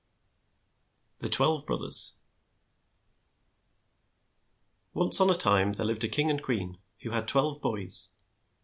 THE TWELVE BROTHERS ONCE on a time there lived a king and a queen who had twelve boys.